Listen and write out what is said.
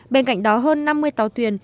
bên cạnh đó hơn năm mươi tàu thuyền